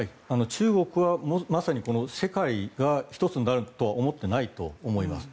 中国はまさに世界が１つになるとは思っていないと思います。